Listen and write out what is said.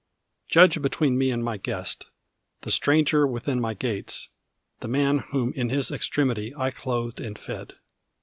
Judge between me and my guest, the stranger within my gates, the man whom in his extremity I clothed and fed.